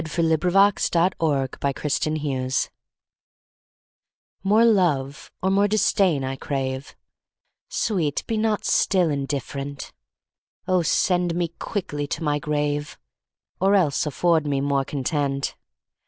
1678 403. Against Indifference MORE love or more disdain I crave; Sweet, be not still indifferent: O send me quickly to my grave, Or else afford me more content!